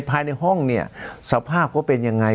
ภายในห้องเนี่ยสภาพเขาเป็นยังไง